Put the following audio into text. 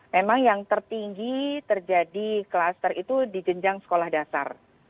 memang yang tertinggi terjadi klaster itu di jenjang sekolah dasar